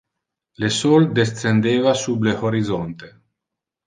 Le sol descendeva sub le horizonte.